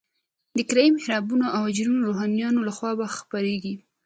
د کرایي محرابونو او اجیرو روحانیونو لخوا به خپرېږي.